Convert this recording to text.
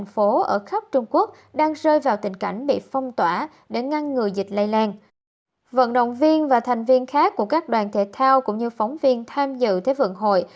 vận động viên và thành viên khác của các đoàn thể thao cũng như phóng viên tham dự thế vận hội